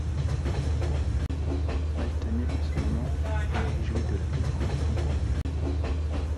Maltenu En ce moment, Paris jouit de la plus grande tranquillité…